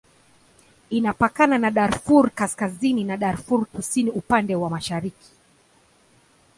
Inapakana na Darfur Kaskazini na Darfur Kusini upande wa mashariki.